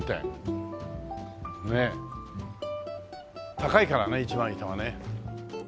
高いからね一枚板はね。